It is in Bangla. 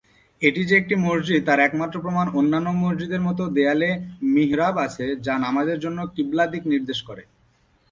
এটি যে একটি মসজিদ তার একমাত্র প্রমাণ অন্যান্য মসজিদের মত দেয়ালে মিহরাব আছে যা নামাযের জন্য কিবলা দিক নির্দেশ করে।